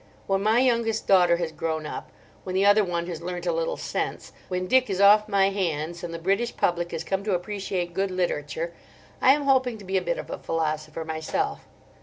When my youngest daughter has grown up, when the other one has learnt a little sense, when Dick is off my hands, and the British public has come to appreciate good literature, I am hoping to be a bit of a philosopher myself.